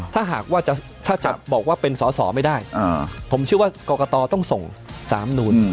ถ้าหากว่าถ้าจะบอกว่าเป็นสอสอไม่ได้ผมเชื่อว่ากรกตต้องส่ง๓นูน